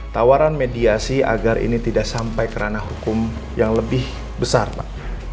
tawaran mediasi agar ini tidak sampai kerana hukum yang lebih besar pak